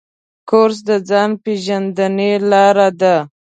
کورس د ځان پېژندنې لاره ده.